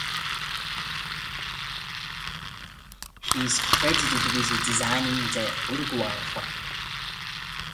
He is credited with designing the Uruguayan flag.